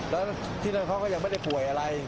แล้วที่นั่นเขาก็ยังไม่ได้ป่วยอะไร